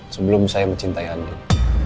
sebelum saya mencintai andien